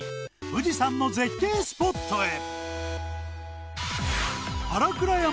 富士山の絶景スポットへ新倉山